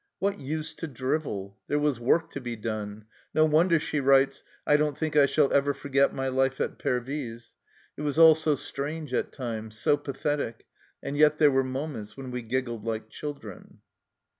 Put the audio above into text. What use to drivel ? There was work to be done. No wonder she writes : "I don't think I shall ever forget my life at Pervyse ; it was all so strange at times, so pathetic, and yet there were moments when we giggled like children."